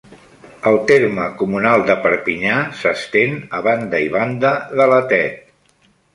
El terme comunal de Perpinyà s'estén a banda i banda de la Tet.